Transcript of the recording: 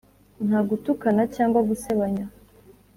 nta gutukana cyangwa gusebanya.